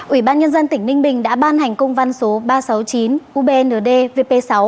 ủy ban nhân dân tỉnh ninh bình đã ban hành công văn số ba trăm sáu mươi chín ubnd vp sáu